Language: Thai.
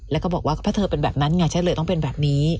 แล้วก็บอกว่าถ้าเธอเป็นแบบนั้นไงฉันเลยต้องเป็นแบบนี้